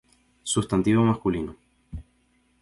Sustantivo masculino.